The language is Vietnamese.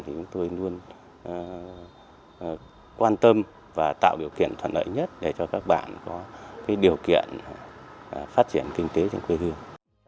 chúng tôi luôn quan tâm và tạo điều kiện thuận lợi nhất để cho các bạn có điều kiện phát triển kinh tế trên quê thương